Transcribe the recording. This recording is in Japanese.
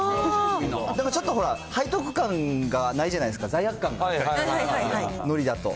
ちょっとほら、背徳感がないじゃないですか、罪悪感が、のりだと。